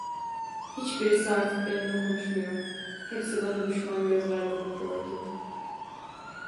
Hiçbirisi artık benimle konuşmuyor, hepsi bana düşman gözlerle bakıyordu.